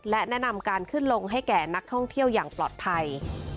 และแนะนำการขึ้นลงให้แก่นักท่องเที่ยวอย่างปลอดภัย